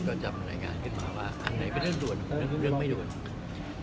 ตานก็จำแหละมาขึ้นมาว่าอันไหนเป็นเรื่องรวดเรื่องไม่รวด